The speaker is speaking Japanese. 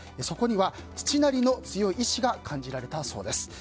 そこには父なりの強い意志が感じられたそうです。